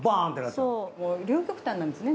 そう両極端なんですね